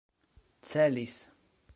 celis